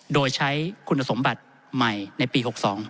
โดยใช้คุณสมบัติใหม่ในปี๖๒